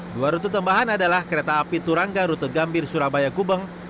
dua rute tambahan adalah kereta api turangga rute gambir surabaya gubeng